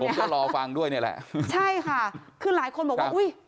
คุณพะพูนก็รอฟังด้วยเนี่ยแหละใช่ค่ะคือหลายคนบอกว่าอุ้ย